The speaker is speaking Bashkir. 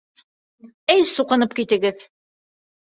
Эй суҡынып китегеҙ!